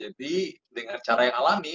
jadi dengan cara yang alami